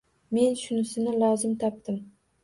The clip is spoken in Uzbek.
Men shunisi lozim topdim.